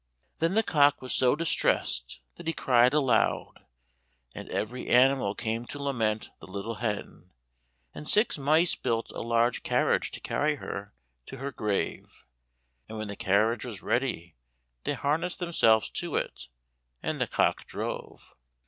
Then the cock was so distressed that he cried aloud, and every animal came to lament the little hen, and six mice built a little carriage to carry her to her grave, and when the carriage was ready they harnessed themselves to it, and the cock drove.